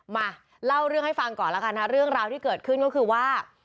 มาเล่าเรื่องให้ฟังก่อนแล้วกันฮะเรื่องราวที่เกิดขึ้นก็คือว่า